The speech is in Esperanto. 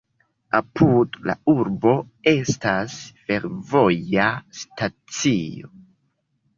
Apud la urbo estas fervoja stacio.